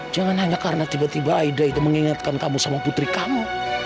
jangan hanya karena tiba tiba aida itu mengingatkan kamu sama putri kamu